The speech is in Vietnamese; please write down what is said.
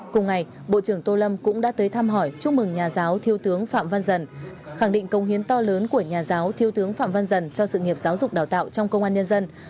cùng ngày bộ trưởng tô lâm cũng đã tới thăm hỏi chúc mừng nhà giáo thiếu tướng phạm văn dần khẳng định công hiến to lớn của nhà giáo thiếu tướng phạm văn dần cho sự nghiệp giáo dục đào tạo trong công an nhân dân